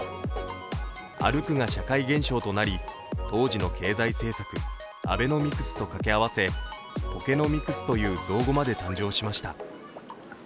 「歩く」が社会現象となり当時の経済政策アベノミクスと掛け合わせポケノミクスという造語まで誕生しました。